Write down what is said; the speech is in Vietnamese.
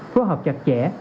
phối hợp chặt chẽ